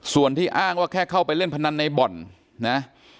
ส่วนที่อ้างว่าแค่เข้าไปเล่นพนันในบ่อนนะ